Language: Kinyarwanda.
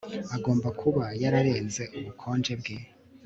agomba kuba yararenze ubukonje bwe